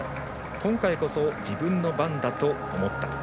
今回は自分の番だと思った。